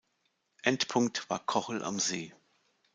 Endpunkt war Kochel am See.